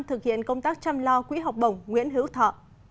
thực hiện công tác chăm lo quỹ học bổng nguyễn hữu thọ